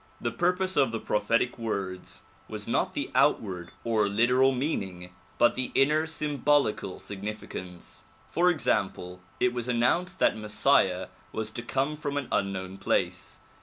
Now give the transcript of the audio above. The purpose of the prophetic words was not the outward or literal meaning but the inner symbolical significance. For example, it was announced that Messiah was to come from an unknown place.